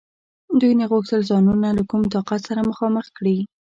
دوی نه غوښتل ځانونه له کوم طاقت سره مخامخ کړي.